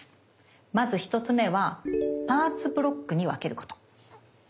まず１つ目はパーツ・ブロックに分けること。